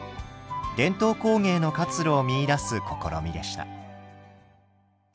伝統工芸の活路を見いだす試みでした。